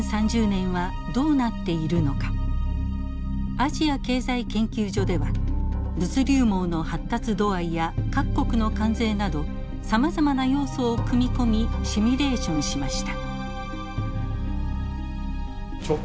アジア経済研究所では物流網の発達度合いや各国の関税などさまざまな要素を組み込みシミュレーションしました。